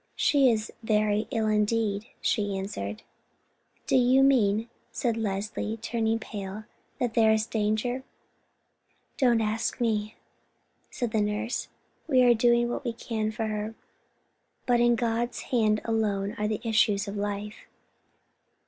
"She is very ill indeed," she answered. "Do you mean," said Leslie, turning pale, "that there is danger?" "Don't ask me," said the nurse. "We are doing what we can for her; but in God's hand alone are the issues of life."